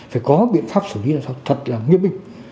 phải có biện pháp xử lý thật là nghiêm binh